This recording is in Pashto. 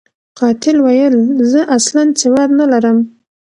قاتل ویل، زه اصلاً سواد نلرم.